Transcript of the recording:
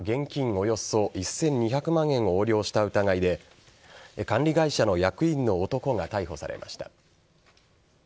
およそ１２００万円を横領した疑いで管理会社の役員の男が逮捕されました。